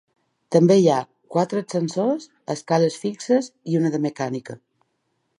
També hi ha quatre ascensors, escales fixes i una de mecànica.